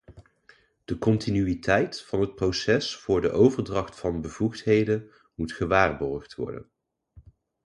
De continuïteit van het proces voor de overdracht van bevoegdheden moet gewaarborgd worden.